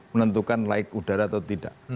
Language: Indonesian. menentukan laik udara atau tidak